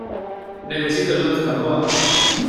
necesito luz, Gamboa.